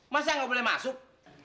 masa gak boleh masuk